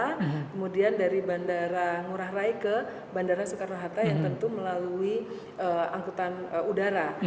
kemudian dari bandara ngurah rai ke bandara soekarno hatta yang tentu melalui angkutan udara